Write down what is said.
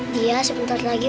dia sebentar lagi